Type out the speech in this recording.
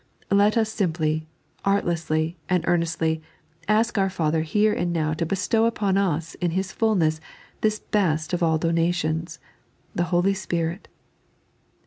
Let us eimply, artlessly, and earnestly, ask our Father here and now to bestow upon us in His fulness this beet of all dona tions—the Holy Spirit.